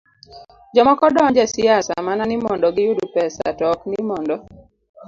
Jomoko donjo e siasa mana ni mondo giyud pesa to ok ni mondo